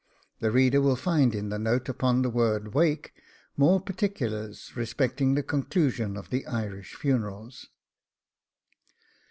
The reader will find in the note upon the word WAKE, more particulars respecting the conclusion of the Irish funerals.